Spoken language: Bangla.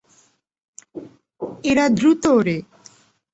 এরা দ্রুত ওড়ে।